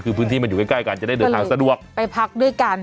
คือพื้นที่มันอยู่ใกล้กันจะได้เดินทางสะดวกไปพักด้วยกัน